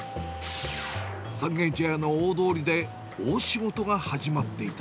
三軒茶屋の大通りで、大仕事が始まっていた。